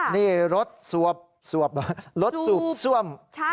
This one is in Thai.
นี่รถสวบสวบเหรอรถสุบซ่วม